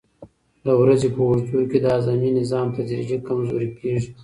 د ورځې په اوږدو کې د هاضمې نظام تدریجي کمزوری کېږي.